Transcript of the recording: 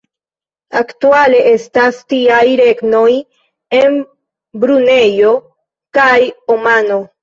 Aktuale estas tiaj regnoj en Brunejo kaj Omano.